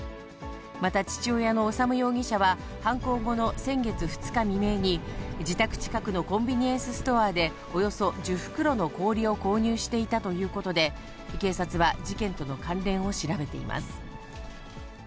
また、父親の修容疑者は、犯行後の先月２日未明に、自宅近くのコンビニエンスストアで、およそ１０袋の氷を購入していたということで、警察は事件との関連を調べています。